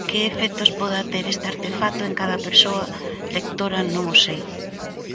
Que efectos poda ter este artefacto en cada persoa lectora non o sei.